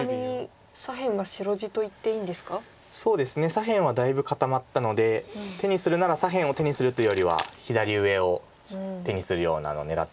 左辺はだいぶ固まったので手にするなら左辺を手にするというよりは左上を手にするようなのを狙っていくと思うんですけど。